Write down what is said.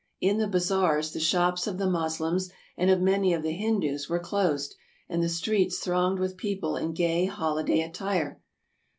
In the bazaars, the shops of the Moslems and of many of the Hindoos were closed, and the streets thronged with people in gay holiday attire.